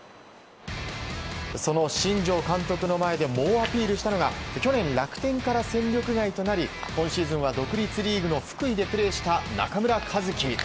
その新庄監督の前で猛アピールしたのが去年、楽天から戦力外となり今シーズンは独立リーグの福井でプレーした中村和希。